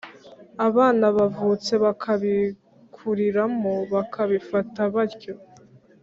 abana bavutse bakabikuriramo, bakabifata batyo.